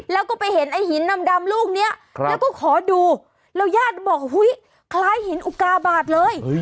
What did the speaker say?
แล้วก็ไปเห็นไอ้หินดำลูกนี้แล้วก็ขอดูแล้วยาดบอกคล้ายหินอุกาบาทเลย